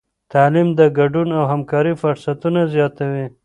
تعلیم د ګډون او همکارۍ فرصتونه زیاتوي.